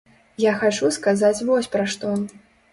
Я хачу сказаць вось пра што.